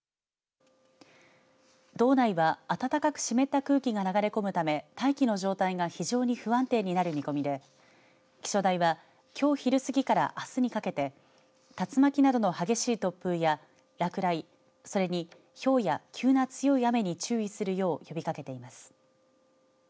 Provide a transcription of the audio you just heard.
道内は暖かく湿った空気が流れ込むため大気の状態が非常に不安定になる見込みで気象台はきょう昼過ぎからあすにかけて竜巻などの激しい突風や落雷それに、ひょうや急な強い雨に注意するよう呼びかけています。